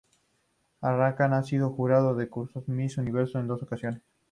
Arrarás ha sido jurado del concurso Miss Universo en dos ocasiones.